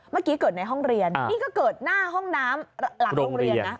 เมื่อกี้เกิดในห้องเรียนนี่ก็เกิดหน้าห้องน้ำหลังโรงเรียนนะ